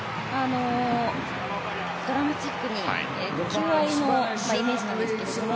ドラマチックに求愛のイメージなんですけれども。